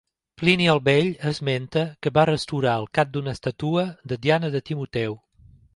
Plini el Vell esmenta que va restaurar el cap d'una estàtua de Diana de Timoteu.